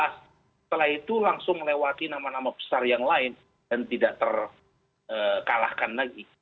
setelah itu langsung melewati nama nama besar yang lain dan tidak terkalahkan lagi